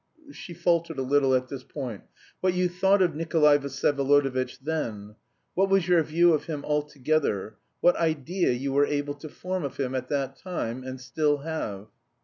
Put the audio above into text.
(she faltered a little at this point) what you thought of Nikolay Vsyevolodovitch then... what was your view of him altogether... what idea you were able to form of him at that time... and still have?'